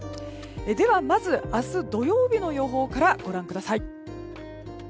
ではまず、明日土曜日の予報からご覧ください。